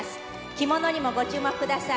着物にもご注目ください。